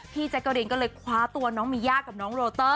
พี่แจ๊กะรีนก็เลยคว้าตัวน้องมีหญ้ากับน้อง